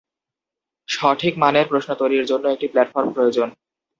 সঠিক মানের প্রশ্ন তৈরির জন্য একটি প্ল্যাটফর্ম প্রয়োজন।